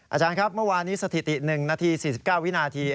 อาจารย์ครับเมื่อวานนี้สถิติ๑นาที๔๙วินาที